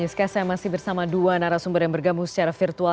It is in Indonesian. saya masih bersama dua narasumber yang bergabung secara virtual